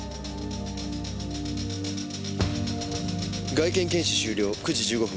外見検視終了９時１５分。